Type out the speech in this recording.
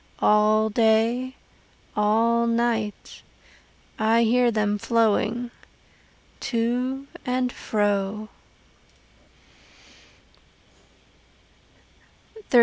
All day, all night, I hear them flowing To and fro.